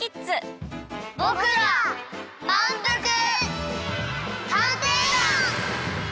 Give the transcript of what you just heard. ぼくらまんぷく探偵団！